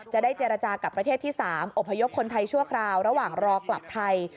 จะได้เจรจากับประเทศที่๓อบพยพคนไทยชั่วคราวระหว่างรอกลับไทย